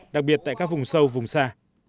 đặc biệt tại các vùng sâu vùng xa